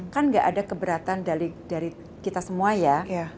kan gak ada keberatan dari kita semua ya